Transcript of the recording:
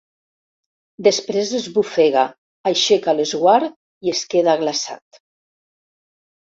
Després esbufega, aixeca l'esguard i es queda glaçat.